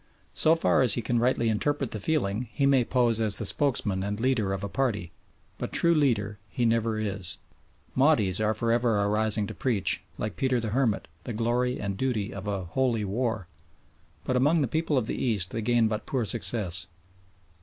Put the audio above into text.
So far as he can rightly interpret the feeling he may pose as the spokesman and leader of a party, but true leader he never is. Mahdis are for ever arising to preach, like Peter the Hermit, the glory and duty of a "Holy War," but among the people of the East they gain but poor success.